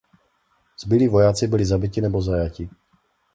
Zbylí vojáci byli zabiti nebo zajati.